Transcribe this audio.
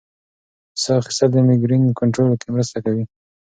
ساه اخیستل د مېګرین کنټرول کې مرسته کوي.